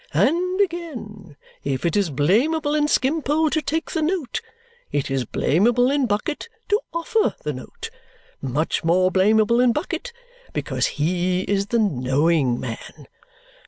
And again. If it is blameable in Skimpole to take the note, it is blameable in Bucket to offer the note much more blameable in Bucket, because he is the knowing man.